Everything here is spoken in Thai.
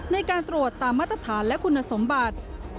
ในการตรวจตามมาตรฐานและคุณสมบัติ